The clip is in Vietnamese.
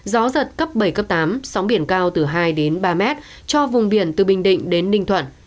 gió giật cấp bảy cấp tám sóng biển cao từ hai ba mét cho vùng biển từ bình định đến ninh thuận